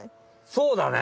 そうだね！